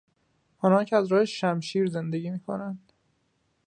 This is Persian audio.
آنانکه از راه شمشیر زندگی میکنند